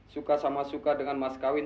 suka sama suka dengan maskawin